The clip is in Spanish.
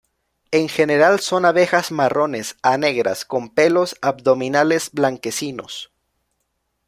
En general son abejas marrones a negras con pelos abdominales blanquecinos.